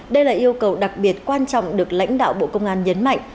đây là yêu cầu đặc biệt quan trọng được lãnh đạo bộ công an nhấn mạnh